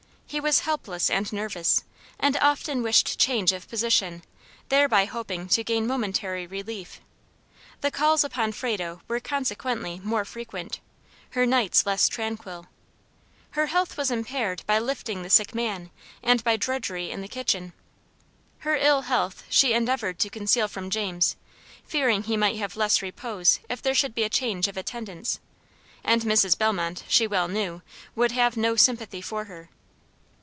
He was helpless and nervous; and often wished change of position, thereby hoping to gain momentary relief. The calls upon Frado were consequently more frequent, her nights less tranquil. Her health was impaired by lifting the sick man, and by drudgery in the kitchen. Her ill health she endeavored to conceal from James, fearing he might have less repose if there should be a change of attendants; and Mrs. Bellmont, she well knew, would have no sympathy for her.